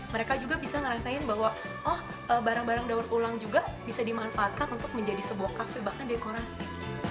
mereka juga bisa ngerasain bahwa oh barang barang daur ulang juga bisa dimanfaatkan untuk menjadi sebuah kafe bahkan dekorasi